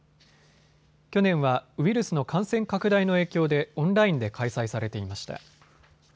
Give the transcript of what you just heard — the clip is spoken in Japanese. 去年はウイルスの感染拡大の影響でオンラインで開催されていました。